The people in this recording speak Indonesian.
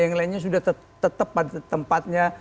yang lainnya sudah tetap pada tempatnya